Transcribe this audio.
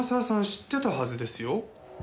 知ってたはずですよ。